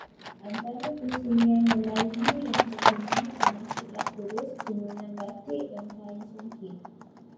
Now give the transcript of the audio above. Antara kesenian Melayu yang terkenal termasuklah keris, tenunan batik dan kain songket.